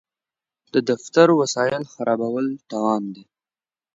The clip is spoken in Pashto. د دفتر وسایل خرابول تاوان دی.